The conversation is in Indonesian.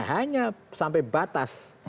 hanya sampai batas